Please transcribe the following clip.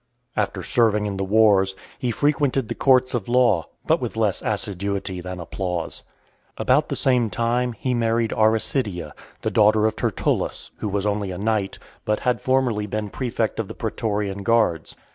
After serving in the wars, he frequented the courts of law, but with less assiduity than applause. About the same time, he married Arricidia, the daughter of Tertullus, who was only a knight, but had formerly been prefect of the pretorian guards.